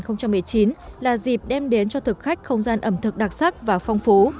năm hai nghìn một mươi chín là dịp đem đến cho thực khách không gian ẩm thực đặc sắc và phong phú